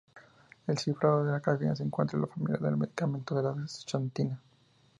El citrato de cafeína se encuentra en la familia de medicamentos de la xantina.